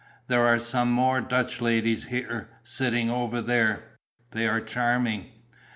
"There are some more Dutch ladies here, sitting over there: they are charming."